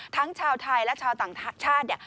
ทั้งชาวไทยและชาวต่างชาติ